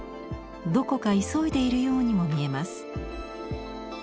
どこか急いでいるようにも見えます。